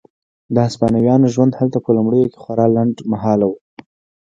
د هسپانویانو ژوند هلته په لومړیو کې خورا لنډ مهاله و.